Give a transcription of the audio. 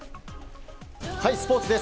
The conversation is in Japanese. スポーツです。